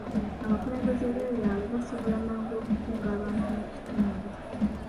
Abakulembeze b'ebyalo basobola mangu okukunga abantu mu kitundu.